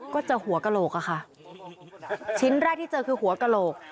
ก็เจอหัวกระโหลกอะค่ะชิ้นแรกที่เจอคือหัวกระโหลก